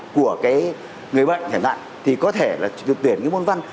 ở cái người bệnh hiện tại thì có thể là được tuyển cái ngôn văn